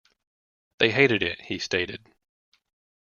'" "They hated it" he stated.